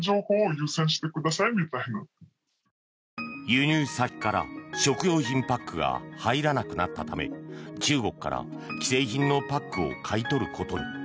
輸入先から食用品パックが入らなくなったため中国から既製品のパックを買い取ることに。